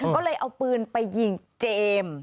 ก็เลยเอาปืนไปยิงเจมส์